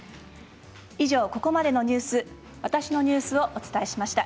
以上、ここまでのニュース「わたしのニュース」をお伝えしました。